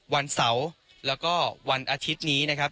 วันเสาร์แล้วก็วันอาทิตย์นี้นะครับ